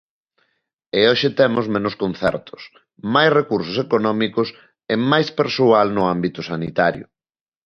E hoxe temos menos concertos, máis recursos económicos e máis persoal no ámbito sanitario.